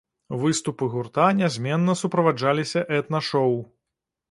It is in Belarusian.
Выступы гурта нязменна суправаджаліся этна-шоў.